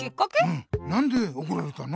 うんなんでおこられたの？